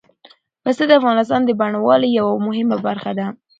پسه د افغانستان د بڼوالۍ یوه مهمه برخه ده.